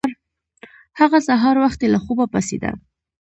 هغه سهار وختي له خوبه پاڅیده.